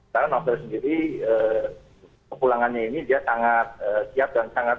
karena novel sendiri kepulangannya ini dia sangat siap dan sangat